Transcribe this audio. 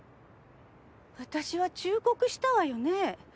私は忠告したわよね。